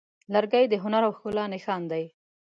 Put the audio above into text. لرګی د هنر او ښکلا نښان دی.